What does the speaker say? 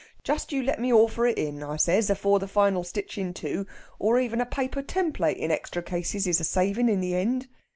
'Just you let me orfer it in,' I says 'afore the final stitchin' to, or even a paper template in extra cases is a savin' in the end.'